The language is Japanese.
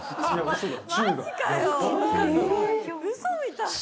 嘘みたい。